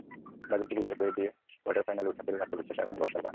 ব্রাজিলকে বিদায় করে দিয়ে কোয়ার্টার ফাইনালে ওঠা পেরুর আত্মবিশ্বাসে এখন বর্ষার বান।